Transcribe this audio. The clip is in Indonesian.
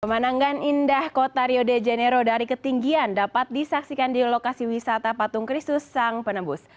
pemandangan indah kota rio de janeiro dari ketinggian dapat disaksikan di lokasi wisata patung kristus sang penembus